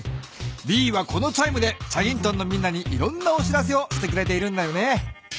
ヴィーはこのチャイムでチャギントンのみんなにいろんなお知らせをしてくれているんだよね。